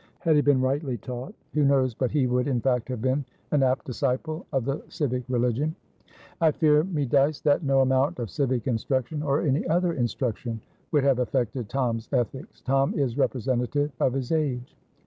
Had he been rightly taught, who knows but he would, in fact, have been an apt disciple of the civic religion?" "I fear me, Dyce, that no amount of civic instruction, or any other instruction, would have affected Tom's ethics. Tom is representative of his age.